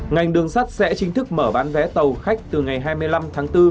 ngành đường sắt sẽ chính thức mở bán vé tàu khách từ ngày hai mươi năm tháng bốn